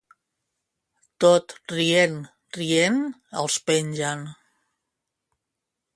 Tot rient, rient, els pengen.